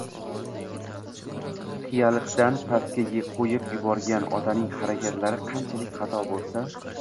qiyaliqdan pastga qo'yib yuborgan otaning harakatlari qanchalik xato bo'lsa